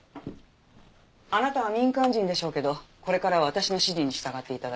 あなたは民間人でしょうけどこれからは私の指示に従って頂きます。